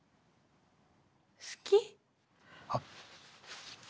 好き？あっ。